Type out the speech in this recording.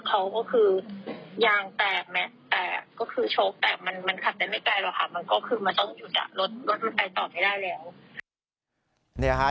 รถมันไปต่อไม่ได้แล้ว